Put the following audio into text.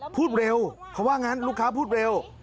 พูดเร็วเขาว่างั้นลูกค้าพูดเร็ว